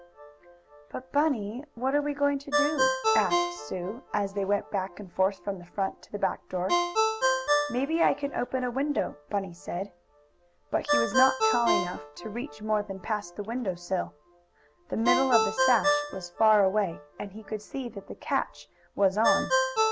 "But, Bunny, what are we going to do?" asked Sue, as they went back and forth from the front to the back door. "Maybe I can open a window," Bunny said. But he was not tall enough to reach more than past the window sill. The middle of the sash was far away, and he could see that the catch was on.